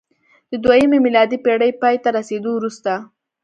د دویمې میلادي پېړۍ پای ته رسېدو وروسته